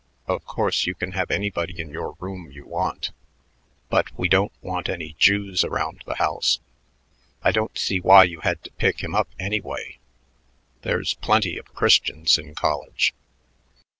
Of course, you can have anybody in your room you want, but we don't want any Jews around the house. I don't see why you had to pick him up, anyway. There's plenty of Christians in college."